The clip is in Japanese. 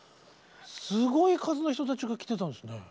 すごい数の人たちが来てたんですね。